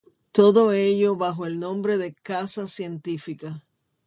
Todo ello bajo el nombre de "caza científica".